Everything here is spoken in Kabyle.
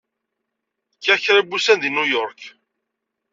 Kkiɣ kra n wussan deg New York.